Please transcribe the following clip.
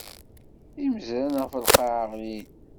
Imezran ɣef lqaɛa ɣlin.